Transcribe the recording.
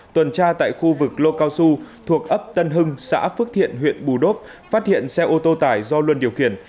tuần tra tại khu vực lô cao su thuộc ấp tân hưng xã phước thiện huyện bù đốp phát hiện xe ô tô tải do luân điều khiển